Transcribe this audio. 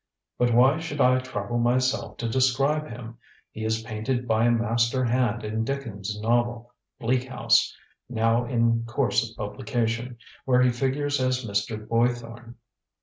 But why should I trouble myself to describe him? He is painted by a master hand in Dickens's novel Bleak House, now in course of publication, where he figures as Mr. Boythorn.